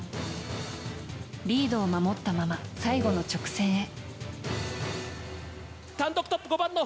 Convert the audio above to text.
リードを守ったまま最後の直線へ。